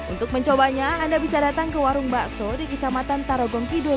untuk mencobanya anda bisa datang ke warung bakso di kecamatan tarogong kidul